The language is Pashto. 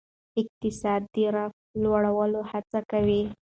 اقتصاد د رفاه لوړولو هڅه کوي.